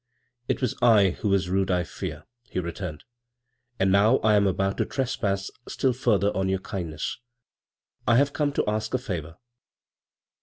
" It was I who was rude, I fear," he re turned; "and now I am about to trespass still further on your kindness. I have come to ask a favor."